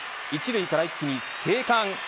１塁から一気に生還。